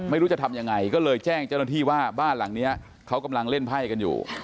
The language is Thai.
ไม่รู้จะทำยังไงก็เลยแจ้งเจ้าหน้าที่ว่าบ้านหลังนี้เขากำลังเล่นไพ่กันอยู่